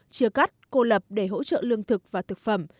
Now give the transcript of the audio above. chia cắt cô lập để hỗ trợ lương thực và thực phẩm